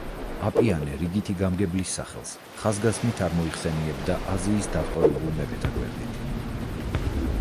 აპიანე რიგითი გამგებლის სახელს, ხაზგასმით არ მოიხსენიებდა აზიის დატყვევებულ მეფეთა გვერდით.